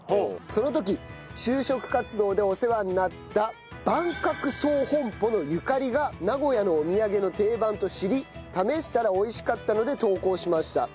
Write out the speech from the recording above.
その時就職活動でお世話になった坂角総本舗のゆかりが名古屋のお土産の定番と知り試したら美味しかったので投稿しました。